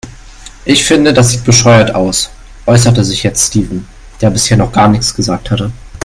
Ich finde, das sieht bescheuert aus, äußerte sich jetzt Steven, der bisher noch gar nichts gesagt hatte.